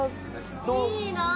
いいなあ。